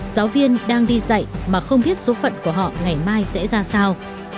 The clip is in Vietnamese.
giáo viên đang đi dạy mà không biết số phận của họ ngày mai sẽ ra sao